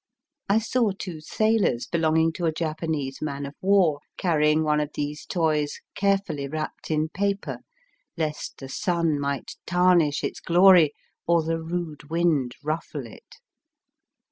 I saw two sailors belonging to a Japanese man of war carrying one of these toys carefully wrapped in paper lest the sun might tarnish its glory, or the rude wind ruffle it.